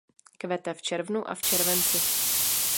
Kvete v červnu a v červenci.